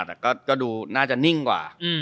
แต่ก็ดูน่าจะนิ่งกว่า